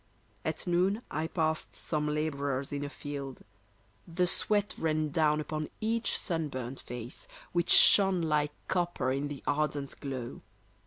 At noon I passed some labourers in a field. The sweat ran down upon each sunburnt face, Which shone like copper in the ardent glow.